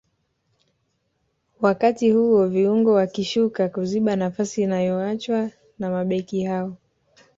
wakati huo viungo wakishuka kuziba nafasi inayoacha na mabeki hao